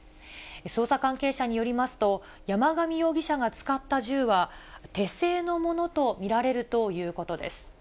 捜査関係者によりますと、山上容疑者が使った銃は、手製のものと見られるということです。